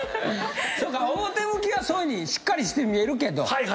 そうか表向きはそういうふうにしっかりして見えるけど。